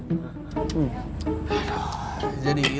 jadi tadi itu gua sama minta